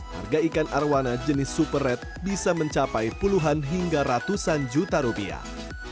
harga ikan arowana jenis super red bisa mencapai puluhan hingga ratusan juta rupiah